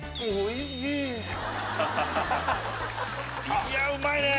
いやうまいねぇ。